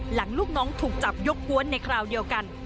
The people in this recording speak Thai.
ลูกน้องถูกจับยกกวนในคราวเดียวกัน